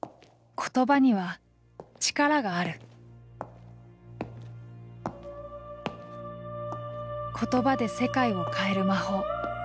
言葉には力がある言葉で世界を変える魔法。